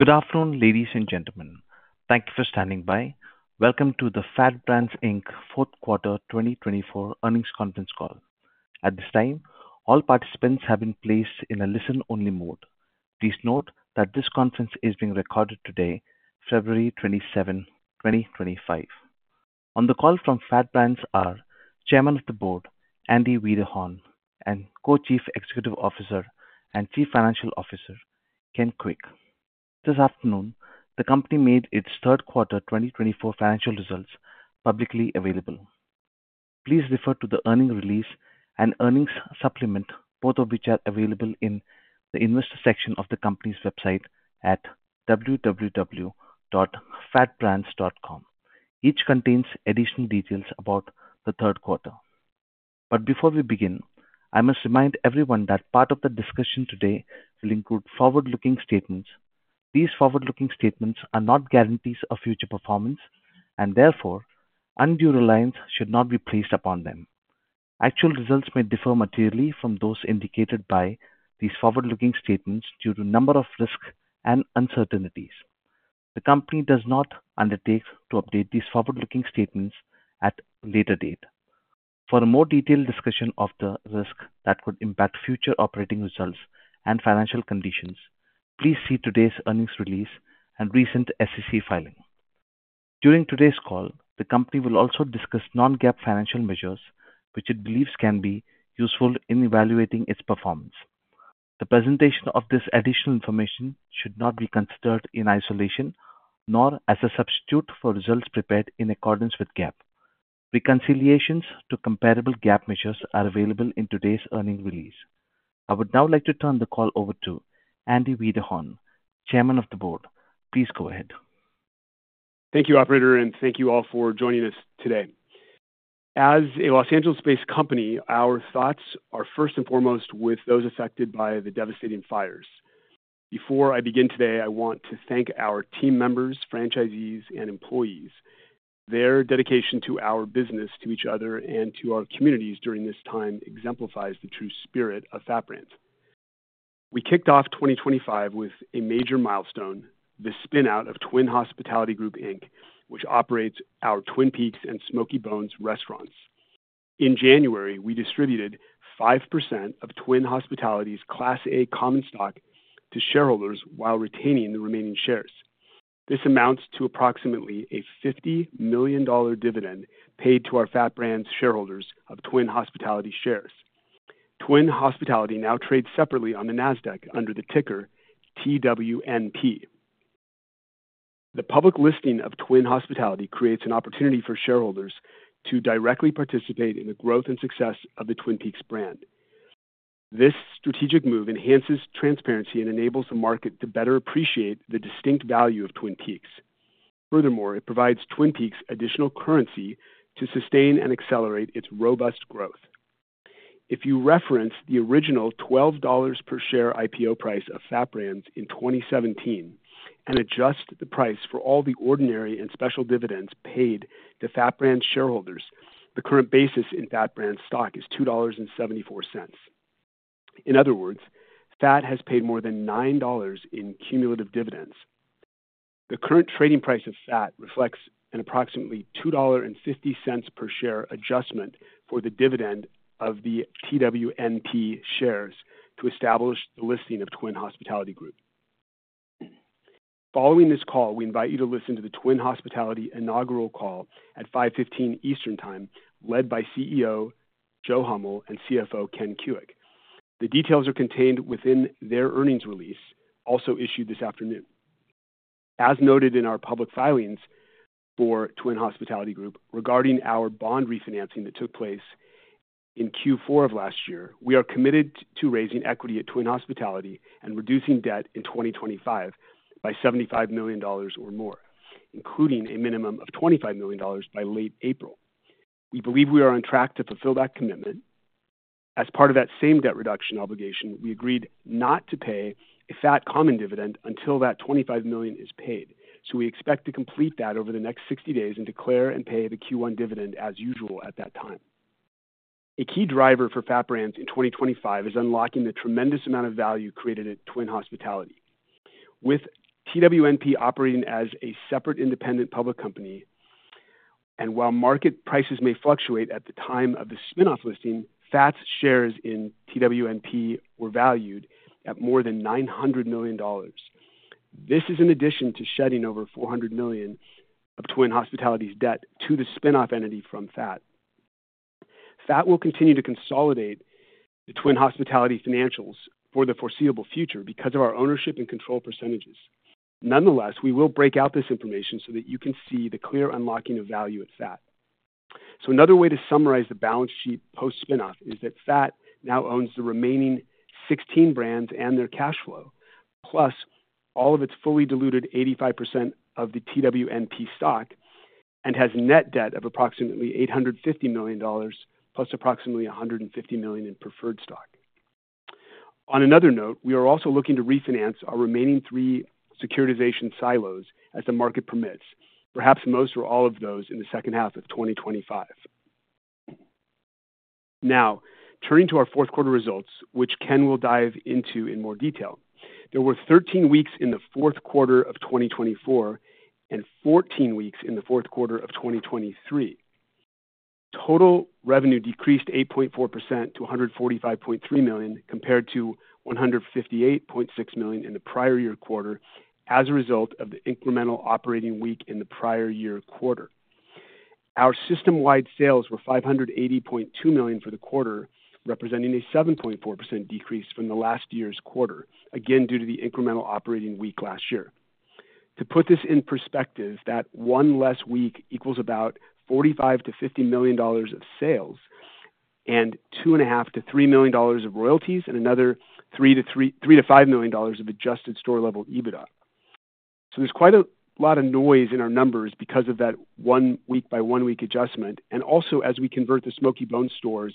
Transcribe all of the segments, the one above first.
Good afternoon, ladies and gentlemen. Thank you for standing by. Welcome to the FAT Brands Fourth Quarter 2024 Earnings Conference Call. At this time, all participants have been placed in a listen-only mode. Please note that this conference is being recorded today, February 27th, 2025. On the call from FAT Brands are Chairman of the Board, Andy Wiederhorn, and Co-Chief Executive Officer and Chief Financial Officer, Ken Kuick. This afternoon, the company made its third quarter 2024 financial results publicly available. Please refer to the earnings release and earnings supplement, both of which are available in the investor section of the company's website at www.fatbrands.com. Each contains additional details about the third quarter. Before we begin, I must remind everyone that part of the discussion today will include forward-looking statements. These forward-looking statements are not guarantees of future performance, and therefore, undue reliance should not be placed upon them. Actual results may differ materially from those indicated by these forward-looking statements due to a number of risks and uncertainties. The company does not undertake to update these forward-looking statements at a later date. For a more detailed discussion of the risks that could impact future operating results and financial conditions, please see today's earnings release and recent SEC filing. During today's call, the company will also discuss non-GAAP financial measures, which it believes can be useful in evaluating its performance. The presentation of this additional information should not be considered in isolation, nor as a substitute for results prepared in accordance with GAAP. Reconciliations to comparable GAAP measures are available in today's earnings release. I would now like to turn the call over to Andy Wiederhorn, Chairman of the Board. Please go ahead. Thank you, Operator, and thank you all for joining us today. As a Los Angeles-based company, our thoughts are first and foremost with those affected by the devastating fires. Before I begin today, I want to thank our team members, franchisees, and employees. Their dedication to our business, to each other, and to our communities during this time exemplifies the true spirit of FAT Brands. We kicked off 2025 with a major milestone: the spinout of Twin Hospitality Group Inc., which operates our Twin Peaks and Smokey Bones restaurants. In January, we distributed 5% of Twin Hospitality's Class A common stock to shareholders while retaining the remaining shares. This amounts to approximately a $50 million dividend paid to our FAT Brands shareholders of Twin Hospitality shares. Twin Hospitality now trades separately on the NASDAQ under the ticker TWNP. The public listing of Twin Hospitality creates an opportunity for shareholders to directly participate in the growth and success of the Twin Peaks brand. This strategic move enhances transparency and enables the market to better appreciate the distinct value of Twin Peaks. Furthermore, it provides Twin Peaks additional currency to sustain and accelerate its robust growth. If you reference the original $12 per share IPO price of FAT Brands in 2017 and adjust the price for all the ordinary and special dividends paid to FAT Brands shareholders, the current basis in FAT Brands stock is $2.74. In other words, FAT has paid more than $9 in cumulative dividends. The current trading price of FAT reflects an approximately $2.50 per share adjustment for the dividend of the TWNP shares to establish the listing of Twin Hospitality Group. Following this call, we invite you to listen to the Twin Hospitality Inaugural Call at 5:15 P.M. Eastern Time, led by CEO Joe Hummel and CFO Ken Kuick. The details are contained within their earnings release, also issued this afternoon. As noted in our public filings for Twin Hospitality Group regarding our bond refinancing that took place in Q4 of last year, we are committed to raising equity at Twin Hospitality and reducing debt in 2025 by $75 million or more, including a minimum of $25 million by late April. We believe we are on track to fulfill that commitment. As part of that same debt reduction obligation, we agreed not to pay a FAT common dividend until that $25 million is paid. We expect to complete that over the next 60 days and declare and pay the Q1 dividend as usual at that time. A key driver for FAT Brands in 2025 is unlocking the tremendous amount of value created at Twin Hospitality. With TWNP operating as a separate independent public company, and while market prices may fluctuate at the time of the spinoff listing, FAT's shares in TWNP were valued at more than $900 million. This is in addition to shedding over $400 million of Twin Hospitality's debt to the spinoff entity from FAT. FAT will continue to consolidate the Twin Hospitality financials for the foreseeable future because of our ownership and control percentages. Nonetheless, we will break out this information so that you can see the clear unlocking of value at FAT. Another way to summarize the balance sheet post-spinoff is that FAT now owns the remaining 16 brands and their cash flow, plus all of its fully diluted 85% of the TWNP stock, and has net debt of approximately $850 million plus approximately $150 million in preferred stock. On another note, we are also looking to refinance our remaining three securitization silos as the market permits, perhaps most or all of those in the second half of 2025. Now, turning to our fourth quarter results, which Ken will dive into in more detail, there were 13 weeks in the fourth quarter of 2024 and 14 weeks in the fourth quarter of 2023. Total revenue decreased 8.4% to $145.3 million compared to $158.6 million in the prior year quarter as a result of the incremental operating week in the prior year quarter. Our system-wide sales were $580.2 million for the quarter, representing a 7.4% decrease from last year's quarter, again due to the incremental operating week last year. To put this in perspective, that one less week equals about $45-$50 million of sales and $2.5-$3 million of royalties and another $3-$5 million of adjusted store-level EBITDA. There is quite a lot of noise in our numbers because of that one week by one week adjustment, and also as we convert the Smokey Bones stores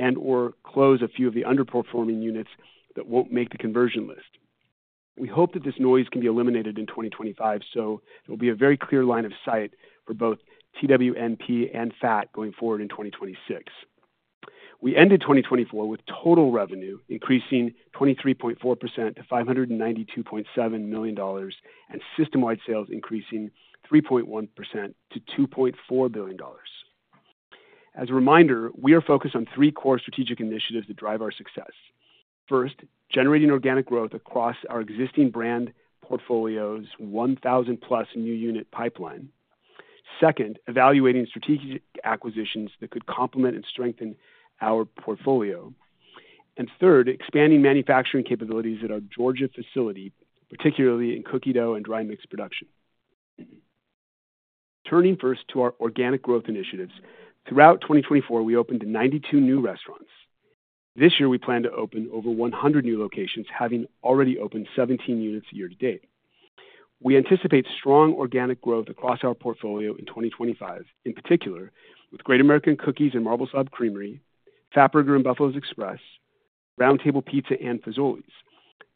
and/or close a few of the underperforming units that will not make the conversion list. We hope that this noise can be eliminated in 2025, so there will be a very clear line of sight for both TWNP and FAT going forward in 2026. We ended 2024 with total revenue increasing 23.4% to $592.7 million and system-wide sales increasing 3.1% to $2.4 billion. As a reminder, we are focused on three core strategic initiatives that drive our success. First, generating organic growth across our existing brand portfolio's 1,000-plus new unit pipeline. Second, evaluating strategic acquisitions that could complement and strengthen our portfolio. Third, expanding manufacturing capabilities at our Georgia facility, particularly in cookie dough and dry mix production. Turning first to our organic growth initiatives, throughout 2024, we opened 92 new restaurants. This year, we plan to open over 100 new locations, having already opened 17 units year to date. We anticipate strong organic growth across our portfolio in 2025, in particular with Great American Cookies and Marble Slab Creamery, Fatburger and Buffalo's Express, Round Table Pizza, and Fazoli's.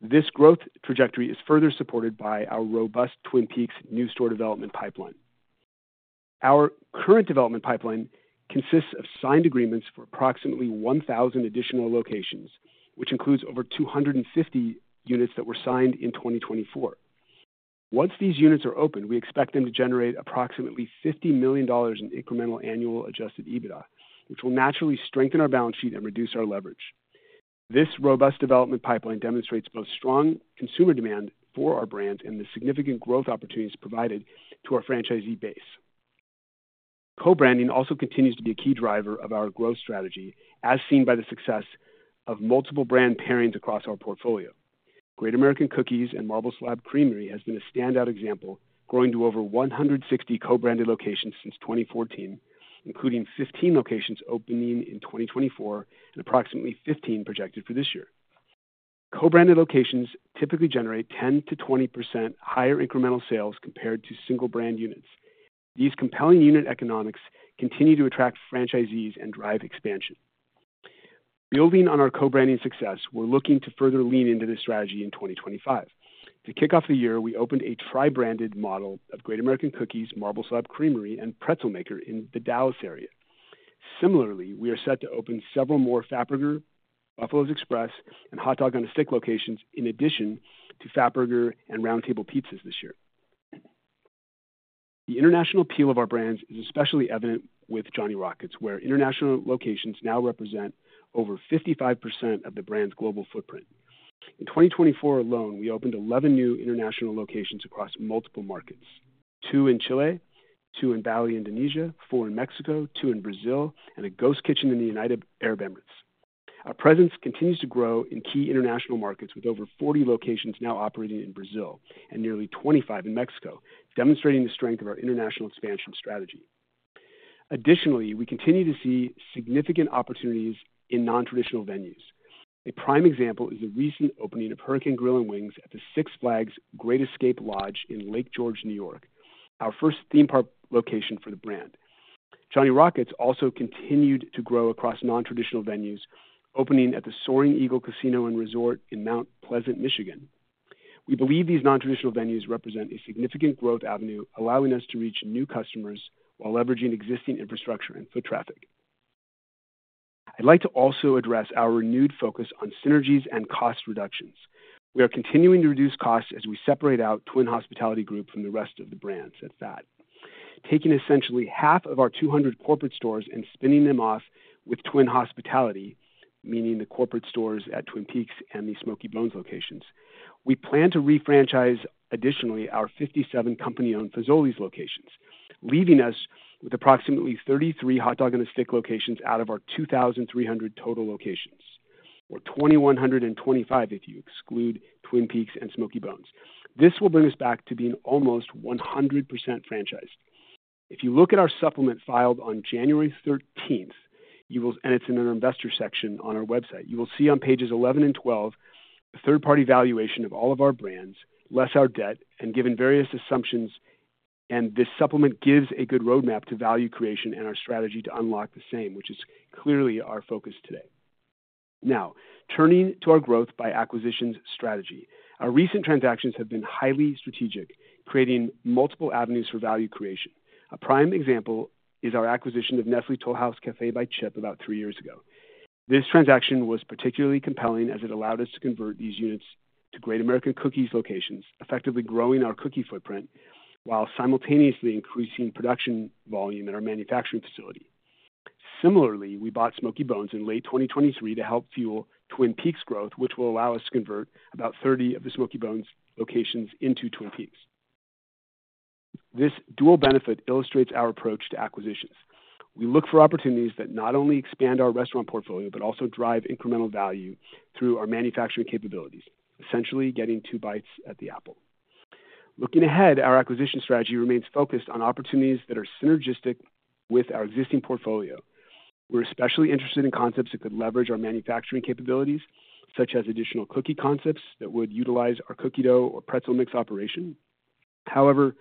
This growth trajectory is further supported by our robust Twin Peaks new store development pipeline. Our current development pipeline consists of signed agreements for approximately 1,000 additional locations, which includes over 250 units that were signed in 2024. Once these units are opened, we expect them to generate approximately $50 million in incremental annual Adjusted EBITDA, which will naturally strengthen our balance sheet and reduce our leverage. This robust development pipeline demonstrates both strong consumer demand for our brands and the significant growth opportunities provided to our franchisee base. Co-branding also continues to be a key driver of our growth strategy, as seen by the success of multiple brand pairings across our portfolio. Great American Cookies and Marble Slab Creamery has been a standout example, growing to over 160 co-branded locations since 2014, including 15 locations opening in 2024 and approximately 15 projected for this year. Co-branded locations typically generate 10%-20% higher incremental sales compared to single brand units. These compelling unit economics continue to attract franchisees and drive expansion. Building on our co-branding success, we're looking to further lean into this strategy in 2025. To kick off the year, we opened a tri-branded model of Great American Cookies, Marble Slab Creamery, and Pretzelmaker in the Dallas area. Similarly, we are set to open several more Fatburger, Buffalo's Express, and Hot Dog on a Stick locations in addition to Fatburger and Round Table Pizzas this year. The international appeal of our brands is especially evident with Johnny Rockets, where international locations now represent over 55% of the brand's global footprint. In 2024 alone, we opened 11 new international locations across multiple markets: two in Chile, two in Bali, Indonesia, four in Mexico, two in Brazil, and a ghost kitchen in the United Arab Emirates. Our presence continues to grow in key international markets, with over 40 locations now operating in Brazil and nearly 25 in Mexico, demonstrating the strength of our international expansion strategy. Additionally, we continue to see significant opportunities in non-traditional venues. A prime example is the recent opening of Hurricane Grill & Wings at the Six Flags Great Escape Lodge in Lake George, New York, our first theme park location for the brand. Johnny Rockets also continued to grow across non-traditional venues, opening at the Soaring Eagle Casino and Resort in Mount Pleasant, Michigan. We believe these non-traditional venues represent a significant growth avenue, allowing us to reach new customers while leveraging existing infrastructure and foot traffic. I'd like to also address our renewed focus on synergies and cost reductions. We are continuing to reduce costs as we separate out Twin Hospitality Group from the rest of the brands at FAT. Taking essentially half of our 200 corporate stores and spinning them off with Twin Hospitality, meaning the corporate stores at Twin Peaks and the Smokey Bones locations, we plan to refranchise additionally our 57 company-owned Fazoli's locations, leaving us with approximately 33 Hot Dog on a Stick locations out of our 2,300 total locations, or 2,125 if you exclude Twin Peaks and Smokey Bones. This will bring us back to being almost 100% franchised. If you look at our supplement filed on January 13, and it's in our investor section on our website, you will see on pages 11 and 12 the third-party valuation of all of our brands, less our debt, and given various assumptions. This supplement gives a good roadmap to value creation and our strategy to unlock the same, which is clearly our focus today. Now, turning to our growth by acquisitions strategy, our recent transactions have been highly strategic, creating multiple avenues for value creation. A prime example is our acquisition of Nestlé Toll House Café by Chip about three years ago. This transaction was particularly compelling as it allowed us to convert these units to Great American Cookies locations, effectively growing our cookie footprint while simultaneously increasing production volume at our manufacturing facility. Similarly, we bought Smokey Bones in late 2023 to help fuel Twin Peaks growth, which will allow us to convert about 30 of the Smokey Bones locations into Twin Peaks. This dual benefit illustrates our approach to acquisitions. We look for opportunities that not only expand our restaurant portfolio but also drive incremental value through our manufacturing capabilities, essentially getting two bites at the apple. Looking ahead, our acquisition strategy remains focused on opportunities that are synergistic with our existing portfolio. We're especially interested in concepts that could leverage our manufacturing capabilities, such as additional cookie concepts that would utilize our cookie dough or pretzel mix operation. However,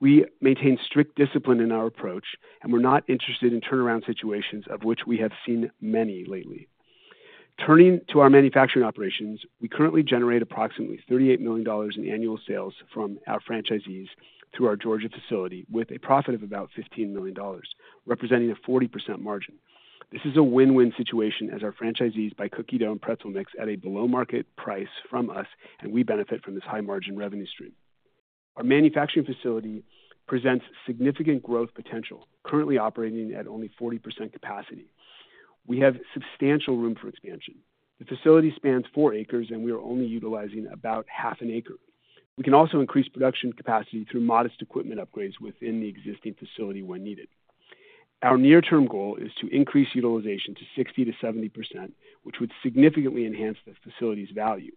we maintain strict discipline in our approach, and we're not interested in turnaround situations of which we have seen many lately. Turning to our manufacturing operations, we currently generate approximately $38 million in annual sales from our franchisees through our Georgia facility with a profit of about $15 million, representing a 40% margin. This is a win-win situation as our franchisees buy cookie dough and pretzel mix at a below-market price from us, and we benefit from this high-margin revenue stream. Our manufacturing facility presents significant growth potential, currently operating at only 40% capacity. We have substantial room for expansion. The facility spans four acres, and we are only utilizing about half an acre. We can also increase production capacity through modest equipment upgrades within the existing facility when needed. Our near-term goal is to increase utilization to 60%-70%, which would significantly enhance the facility's value.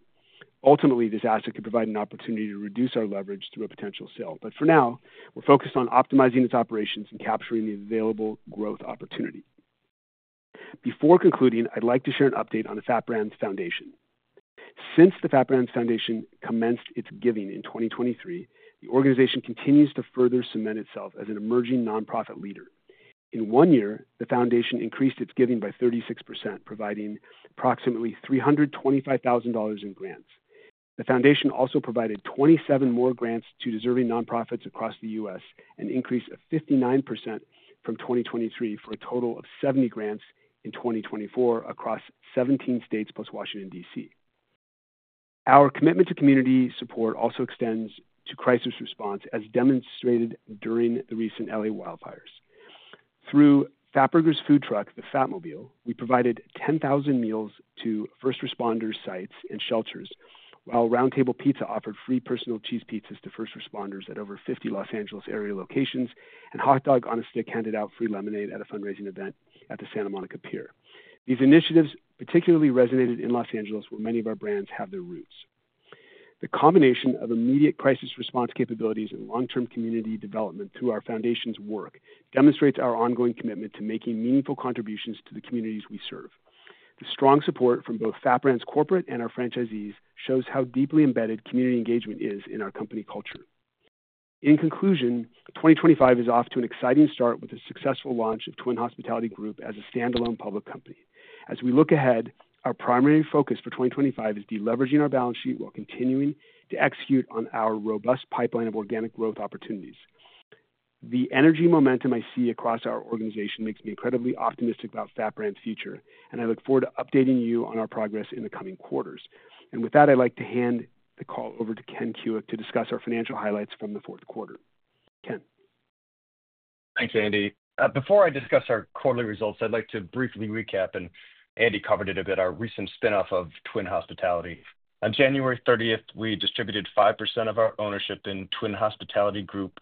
Ultimately, this asset could provide an opportunity to reduce our leverage through a potential sale. For now, we're focused on optimizing its operations and capturing the available growth opportunity. Before concluding, I'd like to share an update on the FAT Brands Foundation. Since the FAT Brands Foundation commenced its giving in 2023, the organization continues to further cement itself as an emerging nonprofit leader. In one year, the foundation increased its giving by 36%, providing approximately $325,000 in grants. The foundation also provided 27 more grants to deserving nonprofits across the U.S., an increase of 59% from 2023 for a total of 70 grants in 2024 across 17 states plus Washington, D.C. Our commitment to community support also extends to crisis response, as demonstrated during the recent Los Angeles wildfires. Through FAT Brands' food truck, the Fatmobile, we provided 10,000 meals to first responders' sites and shelters, while Round Table Pizza offered free personal cheese pizzas to first responders at over 50 Los Angeles area locations, and Hot Dog on a Stick handed out free lemonade at a fundraising event at the Santa Monica Pier. These initiatives particularly resonated in Los Angeles, where many of our brands have their roots. The combination of immediate crisis response capabilities and long-term community development through our foundation's work demonstrates our ongoing commitment to making meaningful contributions to the communities we serve. The strong support from both FAT Brands Corporate and our franchisees shows how deeply embedded community engagement is in our company culture. In conclusion, 2025 is off to an exciting start with the successful launch of Twin Hospitality Group as a standalone public company. As we look ahead, our primary focus for 2025 is to be leveraging our balance sheet while continuing to execute on our robust pipeline of organic growth opportunities. The energy momentum I see across our organization makes me incredibly optimistic about FAT Brands' future, and I look forward to updating you on our progress in the coming quarters. With that, I'd like to hand the call over to Ken Kuick to discuss our financial highlights from the fourth quarter. Ken. Thanks, Andy. Before I discuss our quarterly results, I'd like to briefly recap, and Andy covered it a bit, our recent spinoff of Twin Hospitality. On January 30th, we distributed 5% of our ownership in Twin Hospitality Group's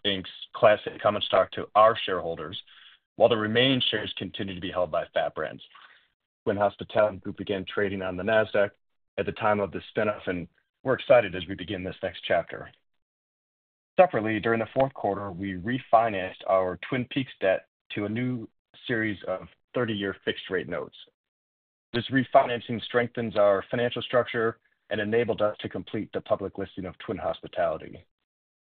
classic common stock to our shareholders, while the remaining shares continue to be held by FAT Brands. Twin Hospitality Group began trading on NASDAQ at the time of the spinoff, and we're excited as we begin this next chapter. Separately, during the fourth quarter, we refinanced our Twin Peaks debt to a new series of 30-year fixed-rate notes. This refinancing strengthens our financial structure and enabled us to complete the public listing of Twin Hospitality.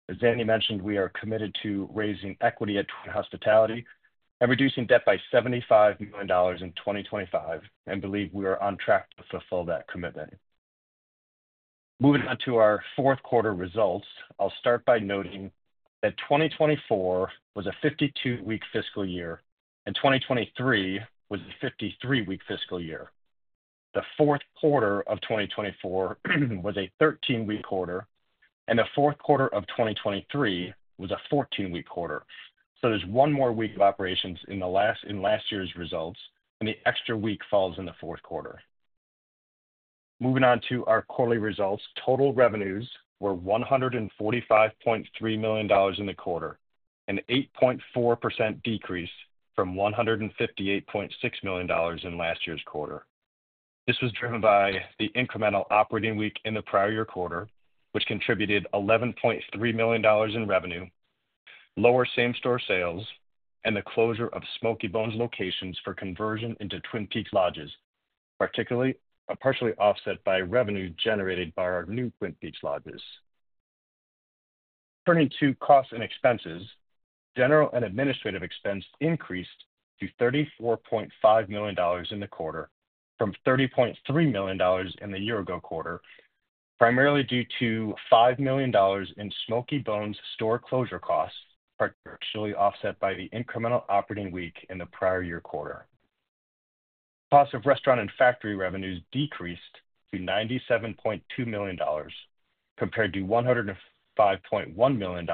As Andy mentioned, we are committed to raising equity at Twin Hospitality and reducing debt by $75 million in 2025, and believe we are on track to fulfill that commitment. Moving on to our fourth quarter results, I'll start by noting that 2024 was a 52-week fiscal year and 2023 was a 53-week fiscal year. The fourth quarter of 2024 was a 13-week quarter, and the fourth quarter of 2023 was a 14-week quarter. There is one more week of operations in last year's results, and the extra week falls in the fourth quarter. Moving on to our quarterly results, total revenues were $145.3 million in the quarter, an 8.4% decrease from $158.6 million in last year's quarter. This was driven by the incremental operating week in the prior year quarter, which contributed $11.3 million in revenue, lower same-store sales, and the closure of Smokey Bones locations for conversion into Twin Peaks Lodges, particularly partially offset by revenue generated by our new Twin Peaks Lodges. Turning to costs and expenses, general and administrative expense increased to $34.5 million in the quarter from $30.3 million in the year-ago quarter, primarily due to $5 million in Smokey Bones store closure costs, partially offset by the incremental operating week in the prior year quarter. Costs of restaurant and factory revenues decreased to $97.2 million compared to $105.1 million,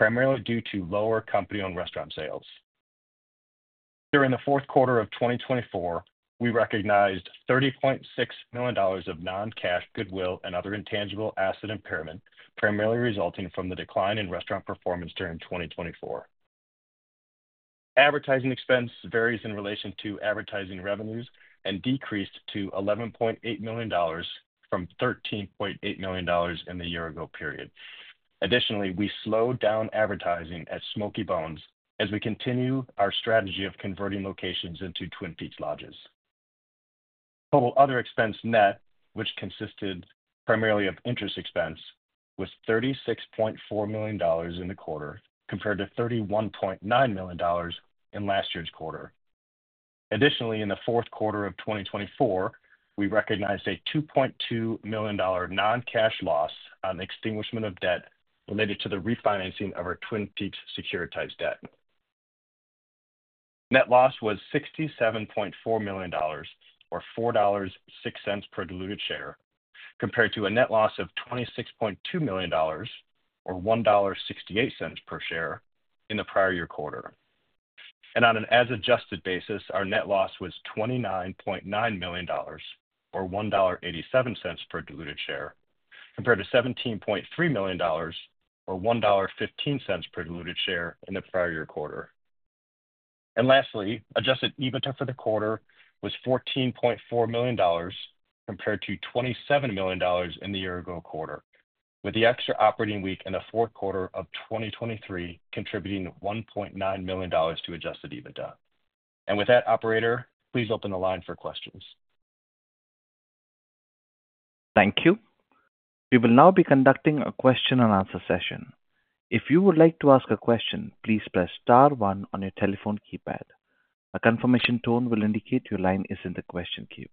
primarily due to lower company-owned restaurant sales. During the fourth quarter of 2024, we recognized $30.6 million of non-cash goodwill and other intangible asset impairment, primarily resulting from the decline in restaurant performance during 2024. Advertising expense varies in relation to advertising revenues and decreased to $11.8 million from $13.8 million in the year-ago period. Additionally, we slowed down advertising at Smokey Bones as we continue our strategy of converting locations into Twin Peaks Lodges. Total other expense net, which consisted primarily of interest expense, was $36.4 million in the quarter compared to $31.9 million in last year's quarter. Additionally, in the fourth quarter of 2024, we recognized a $2.2 million non-cash loss on extinguishment of debt related to the refinancing of our Twin Peaks securitized debt. Net loss was $67.4 million, or $4.06 per diluted share, compared to a net loss of $26.2 million, or $1.68 per share in the prior year quarter. On an as-adjusted basis, our net loss was $29.9 million, or $1.87 per diluted share, compared to $17.3 million, or $1.15 per diluted share in the prior year quarter. Lastly, Adjusted EBITDA for the quarter was $14.4 million compared to $27 million in the year-ago quarter, with the extra operating week in the fourth quarter of 2023 contributing $1.9 million to Adjusted EBITDA. With that, operator, please open the line for questions. Thank you. We will now be conducting a question-and-answer session. If you would like to ask a question, please press star one on your telephone keypad. A confirmation tone will indicate your line is in the question queue.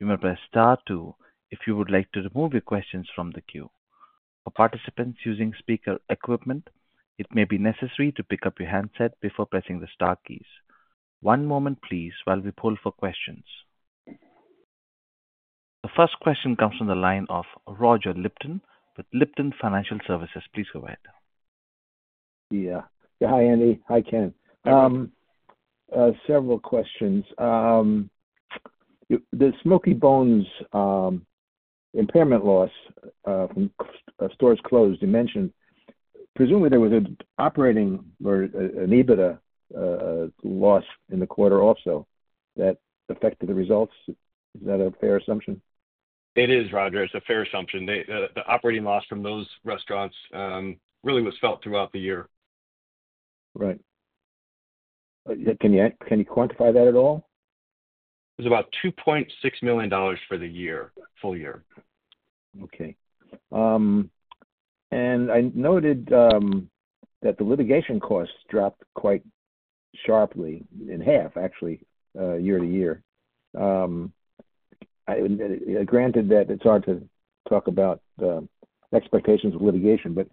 You may press star two if you would like to remove your questions from the queue. For participants using speaker equipment, it may be necessary to pick up your handset before pressing the star keys. One moment, please, while we poll for questions. The first question comes from the line of Roger Lipton with Lipton Financial Services. Please go ahead. Yeah. Hi, Andy. Hi, Ken. Several questions. The Smokey Bones impairment loss from stores closed, you mentioned. Presumably, there was an operating or an EBITDA loss in the quarter also that affected the results. Is that a fair assumption? It is, Roger. It's a fair assumption. The operating loss from those restaurants really was felt throughout the year. Right. Can you quantify that at all? It was about $2.6 million for the year, full year. Okay. I noted that the litigation costs dropped quite sharply, in half, actually, year to year. Granted that it's hard to talk about expectations of litigation, but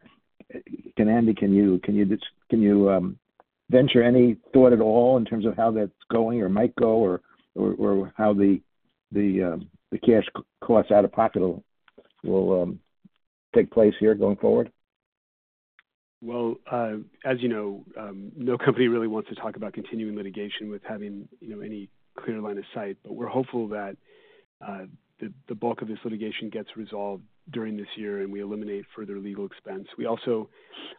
can Andy, can you venture any thought at all in terms of how that's going or might go or how the cash costs out of pocket will take place here going forward? As you know, no company really wants to talk about continuing litigation with having any clear line of sight, but we're hopeful that the bulk of this litigation gets resolved during this year and we eliminate further legal expense. We also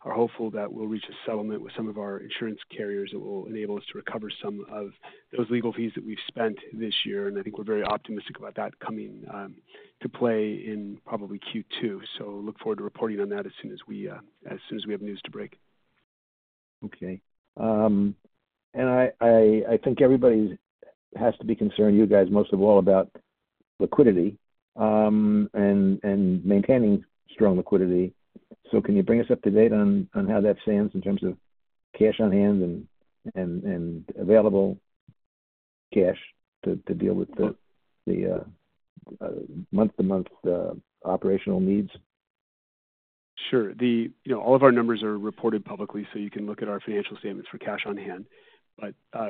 are hopeful that we'll reach a settlement with some of our insurance carriers that will enable us to recover some of those legal fees that we've spent this year, and I think we're very optimistic about that coming to play in probably Q2. Look forward to reporting on that as soon as we have news to break. Okay. I think everybody has to be concerned, you guys most of all, about liquidity and maintaining strong liquidity. Can you bring us up to date on how that stands in terms of cash on hand and available cash to deal with the month-to-month operational needs? Sure. All of our numbers are reported publicly, so you can look at our financial statements for cash on hand.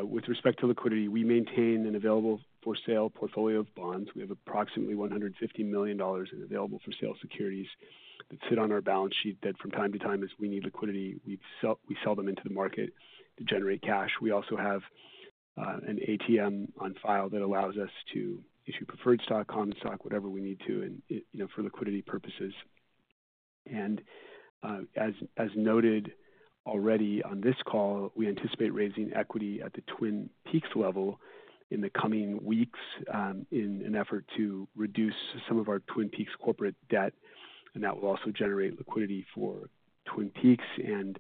With respect to liquidity, we maintain an available-for-sale portfolio of bonds. We have approximately $150 million in available-for-sale securities that sit on our balance sheet that from time to time, as we need liquidity, we sell into the market to generate cash. We also have an ATM on file that allows us to issue preferred stock, common stock, whatever we need to for liquidity purposes. As noted already on this call, we anticipate raising equity at the Twin Peaks level in the coming weeks in an effort to reduce some of our Twin Peaks corporate debt, and that will also generate liquidity for Twin Peaks and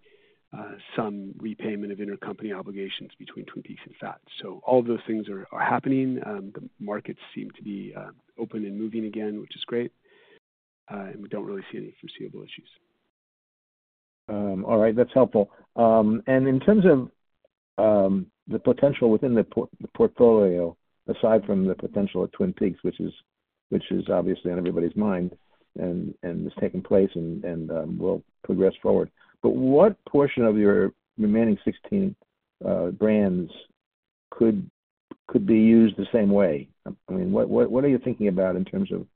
some repayment of intercompany obligations between Twin Peaks and FAT Brands. All of those things are happening. The markets seem to be open and moving again, which is great. We do not really see any foreseeable issues. All right. That is helpful. In terms of the potential within the portfolio, aside from the potential at Twin Peaks, which is obviously on everybody's mind and has taken place and will progress forward, what portion of your remaining 16 brands could be used the same way? I mean, what are you thinking about in terms of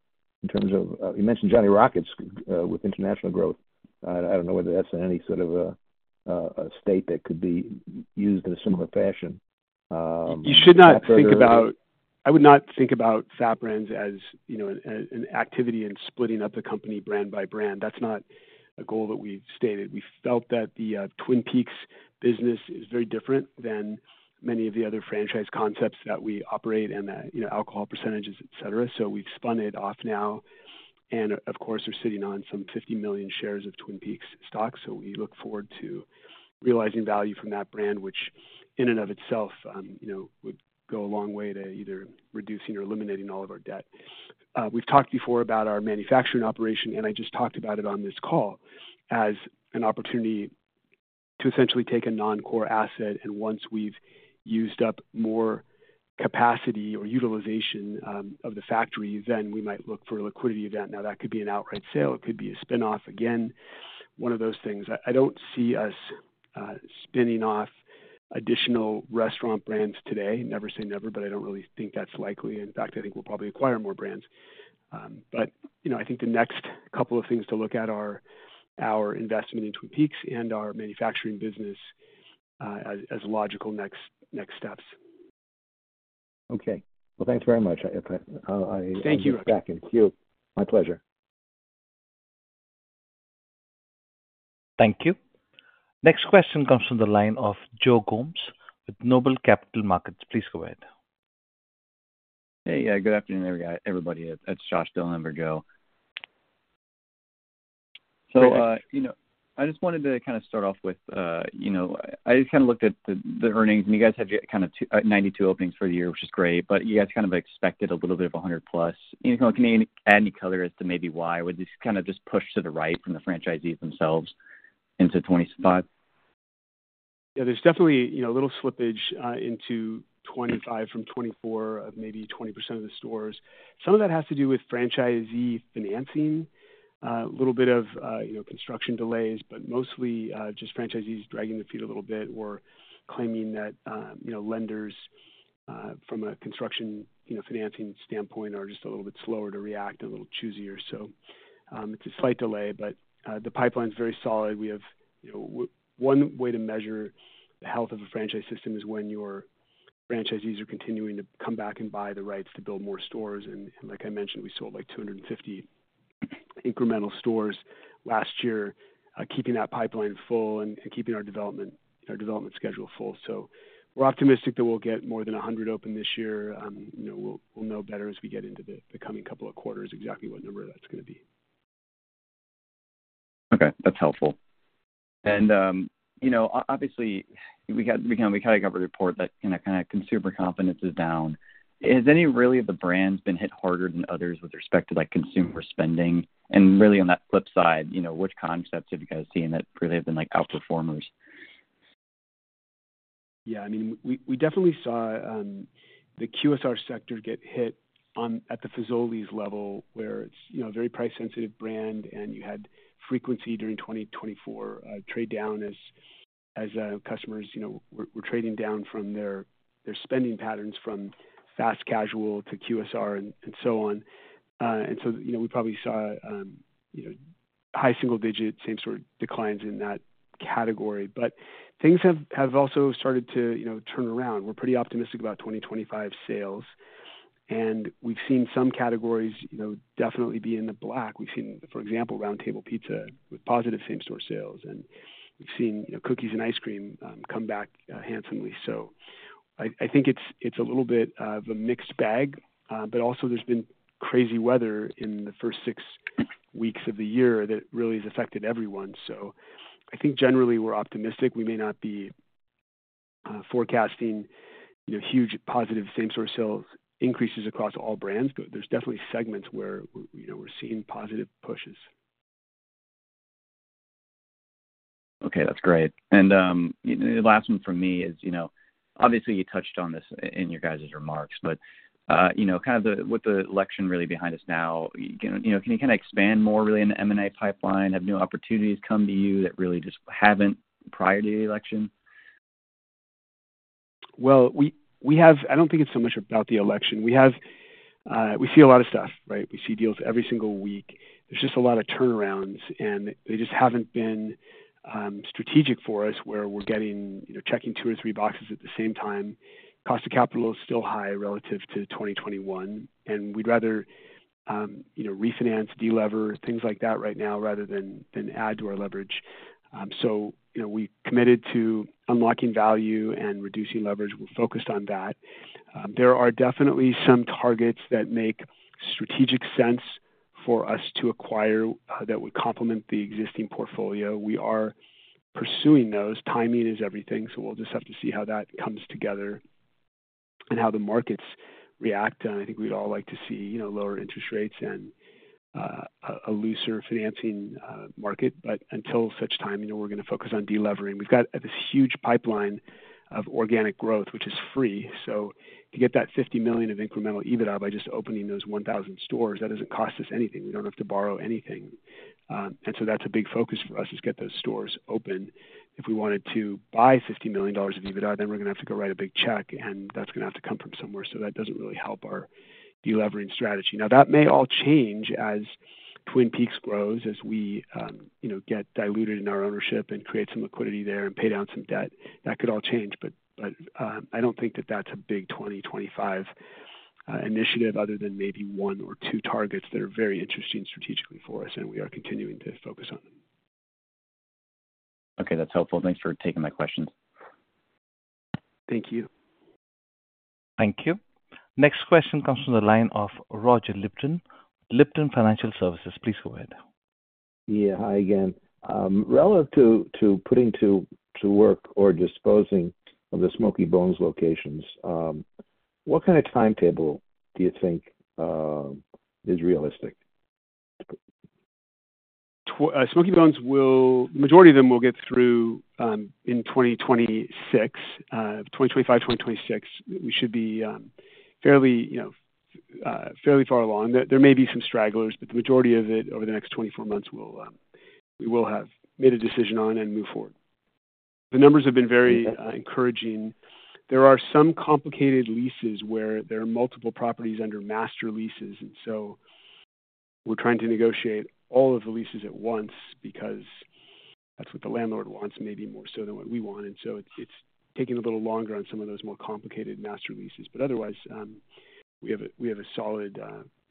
you mentioned Johnny Rockets with international growth. I do not know whether that is in any sort of a state that could be used in a similar fashion. You should not think about, I would not think about FAT Brands as an activity in splitting up the company brand by brand. That is not a goal that we have stated. We felt that the Twin Peaks business is very different than many of the other franchise concepts that we operate and the alcohol percentages, etc. We have spun it off now and, of course, are sitting on some $50 million shares of Twin Peaks stock. We look forward to realizing value from that brand, which in and of itself would go a long way to either reducing or eliminating all of our debt. We have talked before about our manufacturing operation, and I just talked about it on this call as an opportunity to essentially take a non-core asset. Once we have used up more capacity or utilization of the factory, then we might look for a liquidity event. That could be an outright sale. It could be a spinoff, again, one of those things. I do not see us spinning off additional restaurant brands today. Never say never, but I don't really think that's likely. In fact, I think we'll probably acquire more brands. I think the next couple of things to look at are our investment in Twin Peaks and our manufacturing business as logical next steps. Okay. Thanks very much. I look back and queue. My pleasure. Thank you. Next question comes from the line of Joe Gomes with NOBLE Capital Markets. Please go ahead. Hey. Good afternoon, everybody. It's Josh Dillon on for Joe. I just wanted to kind of start off with I just kind of looked at the earnings, and you guys had kind of 92 openings for the year, which is great, but you guys kind of expected a little bit of 100+. Can you add any color as to maybe why? Was this kind of just pushed to the right from the franchisees themselves into 2025? Yeah. There's definitely a little slippage into 2025 from 2024 of maybe 20% of the stores. Some of that has to do with franchisee financing, a little bit of construction delays, but mostly just franchisees dragging their feet a little bit or claiming that lenders from a construction financing standpoint are just a little bit slower to react and a little choosier. It is a slight delay, but the pipeline's very solid. One way to measure the health of a franchise system is when your franchisees are continuing to come back and buy the rights to build more stores. Like I mentioned, we sold like 250 incremental stores last year, keeping that pipeline full and keeping our development schedule full. We are optimistic that we'll get more than 100 open this year. We'll know better as we get into the coming couple of quarters exactly what number that's going to be. Okay. That's helpful. Obviously, we kind of got a report that kind of consumer confidence is down. Has any really of the brands been hit harder than others with respect to consumer spending? Really on that flip side, which concepts have you guys seen that really have been outperformers? Yeah. I mean, we definitely saw the QSR sector get hit at the Fazoli's level where it's a very price-sensitive brand, and you had frequency during 2024 trade down as customers were trading down from their spending patterns from fast casual to QSR and so on. We probably saw high single-digit, same-store declines in that category. Things have also started to turn around. We're pretty optimistic about 2025 sales, and we've seen some categories definitely be in the black. We've seen, for example, Round Table Pizza with positive same-store sales, and we've seen cookies and ice cream come back handsomely. I think it's a little bit of a mixed bag, but also there's been crazy weather in the first six weeks of the year that really has affected everyone. I think generally we're optimistic. We may not be forecasting huge positive same-store sales increases across all brands. There's definitely segments where we're seeing positive pushes. Okay. That's great. The last one for me is, obviously, you touched on this in your guys' remarks, but kind of with the election really behind us now, can you kind of expand more really in the M&A pipeline, have new opportunities come to you that really just haven't prior to the election? I don't think it's so much about the election. We see a lot of stuff, right? We see deals every single week. There's just a lot of turnarounds, and they just haven't been strategic for us where we're checking two or three boxes at the same time. Cost of capital is still high relative to 2021, and we'd rather refinance, delever, things like that right now rather than add to our leverage. We committed to unlocking value and reducing leverage. We're focused on that. There are definitely some targets that make strategic sense for us to acquire that would complement the existing portfolio. We are pursuing those. Timing is everything, so we'll just have to see how that comes together and how the markets react. I think we'd all like to see lower interest rates and a looser financing market, but until such time, we're going to focus on delevering. We've got this huge pipeline of organic growth, which is free. To get that $50 million of incremental EBITDA by just opening those 1,000 stores, that doesn't cost us anything. We don't have to borrow anything. That's a big focus for us, to get those stores open. If we wanted to buy $50 million of EBITDA, then we're going to have to go write a big check, and that's going to have to come from somewhere. That doesn't really help our delevering strategy. That may all change as Twin Peaks grows, as we get diluted in our ownership and create some liquidity there and pay down some debt. That could all change, but I don't think that that's a big 2025 initiative other than maybe one or two targets that are very interesting strategically for us, and we are continuing to focus on them. Okay. That's helpful. Thanks for taking my questions. Thank you. Thank you. Next question comes from the line of Roger Lipton with Lipton Financial Services. Please go ahead. Yeah. Hi again. Relative to putting to work or disposing of the Smokey Bones locations, what kind of timetable do you think is realistic? Smokey Bones, the majority of them will get through in 2025, 2026. We should be fairly far along. There may be some stragglers, but the majority of it over the next 24 months we will have made a decision on and move forward. The numbers have been very encouraging. There are some complicated leases where there are multiple properties under master leases, and we are trying to negotiate all of the leases at once because that is what the landlord wants, maybe more so than what we want. It is taking a little longer on some of those more complicated master leases. Otherwise, we have a solid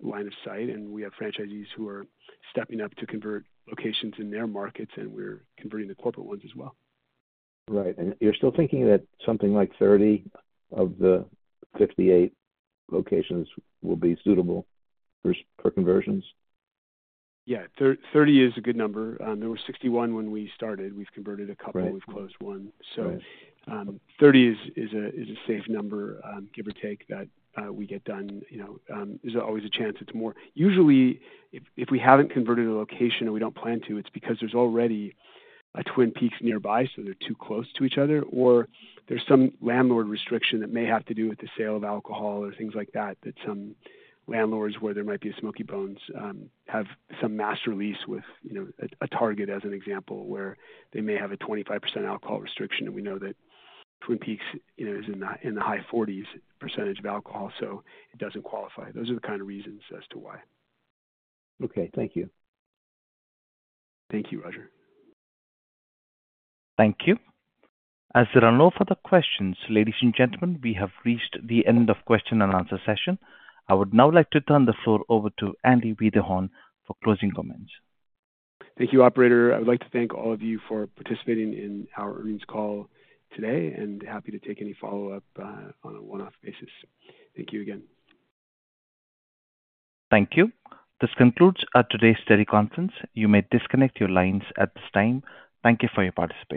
line of sight, and we have franchisees who are stepping up to convert locations in their markets, and we are converting the corporate ones as well. Right. You are still thinking that something like 30 of the 58 locations will be suitable for conversions? Yeah. 30 is a good number. There were 61 when we started. We have converted a couple. We have closed one. 30 is a safe number, give or take, that we get done. There is always a chance it is more. Usually, if we haven't converted a location and we don't plan to, it's because there's already a Twin Peaks nearby, so they're too close to each other, or there's some landlord restriction that may have to do with the sale of alcohol or things like that that some landlords where there might be a Smokey Bones have some master lease with a Target, as an example, where they may have a 25% alcohol restriction, and we know that Twin Peaks is in the high 40% range of alcohol, so it doesn't qualify. Those are the kind of reasons as to why. Okay. Thank you. Thank you, Roger. Thank you. As there are no further questions, ladies and gentlemen, we have reached the end of the question-and-answer session. I would now like to turn the floor over to Andy Wiederhorn for closing comments. Thank you, Operator. I would like to thank all of you for participating in our earnings call today and happy to take any follow-up on a one-off basis. Thank you again. Thank you. This concludes today's study conference. You may disconnect your lines at this time. Thank you for your participation.